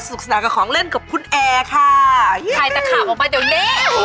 สุดนั้นน่ะขอโทษโอ้คุณพระนับถามกับเอ